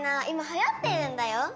今はやってるんだよ